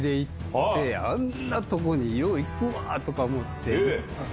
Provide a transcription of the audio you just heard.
あんなとこによう行くわ！とか思って。